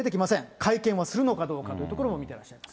会見はするのかどうかというところを見てらっしゃいます。